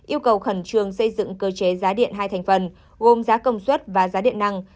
yêu cầu khẩn trương xây dựng cơ chế giá điện hai thành phần gồm giá công suất và giá điện năng